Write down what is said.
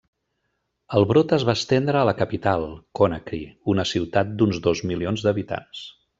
El brot es va estendre a la capital, Conakry, una ciutat d'uns dos milions d'habitants.